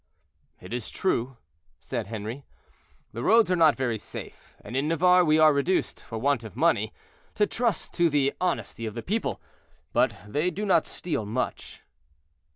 "It is true," said Henri, "the roads are not very safe, and in Navarre we are reduced, for want of money, to trust to the honesty of the people; but they do not steal much."